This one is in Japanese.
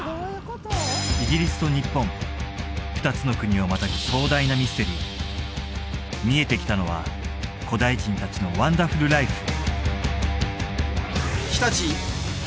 ２つの国をまたぐ壮大なミステリー見えてきたのは古代人達のワンダフルライフ